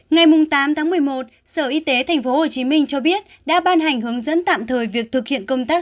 ngày tám tháng một mươi một sở y tế tp hcm cho biết đã ban hành hướng dẫn tạm thời việc thực hiện công tác